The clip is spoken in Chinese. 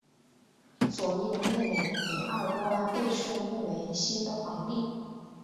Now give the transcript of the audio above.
佐伊的妹妹狄奥多拉被宣布为新的皇帝。